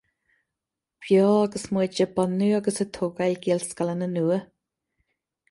Beo agus muid ag bunú agus ag tógáil Gaelscoileanna nua